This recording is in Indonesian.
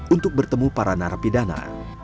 untuk bertemu para narapidana